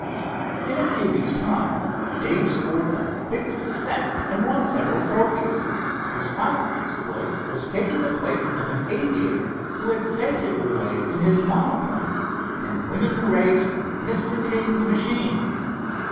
In a few weeks time Dave scored a big success and won several trophies. His final exploit was taking the place of an aviator who had fainted away in his monoplane, and winning the race for Mr. King's machine.